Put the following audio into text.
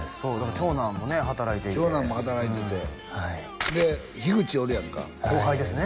長男もね働いていて長男も働いててで樋口おるやんか後輩ですね